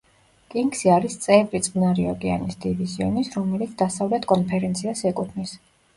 კინგსი არის წევრი წყნარი ოკეანის დივიზიონის, რომელიც დასავლეთ კონფერენციას ეკუთვნის.